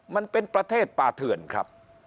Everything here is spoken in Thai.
มันเป็นประเทศป่าเถื่อนครับ